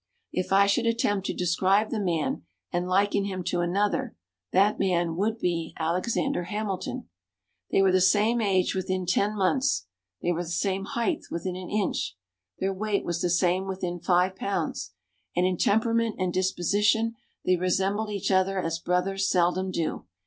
If I should attempt to describe the man and liken him to another, that man would be Alexander Hamilton. They were the same age within ten months; they were the same height within an inch; their weight was the same within five pounds, and in temperament and disposition they resembled each other as brothers seldom do.